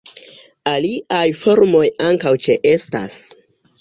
Aliaj formoj ankaŭ ĉeestas.